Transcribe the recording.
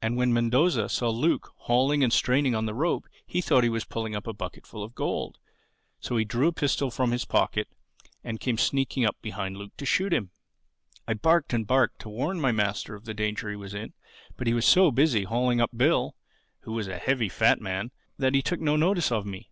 And when Mendoza saw Luke hauling and straining on the rope he thought he was pulling up a bucketful of gold. So he drew a pistol from his pocket and came sneaking up behind Luke to shoot him. "I barked and barked to warn my master of the danger he was in; but he was so busy hauling up Bill (who was a heavy fat man) that he took no notice of me.